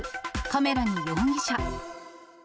カメラに容疑者。